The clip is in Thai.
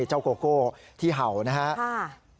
เจ้าโกโกที่เห่านะครับ